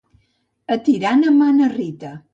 A Tirana mana Rita.